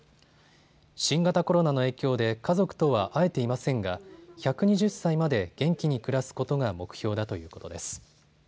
新型コロナの影響で家族とは会えていませんが１２０歳まで元気に暮らすことが目標だということです。